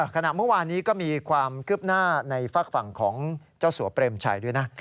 ขณะเมื่อวานนี้ก็มีความคืบหน้าในฝากฝั่งของเจ้าสัวเปรมชัยด้วยนะ